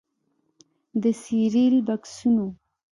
د سیریل بکسونو